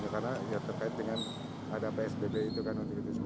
karena terkait dengan ada psbb itu kan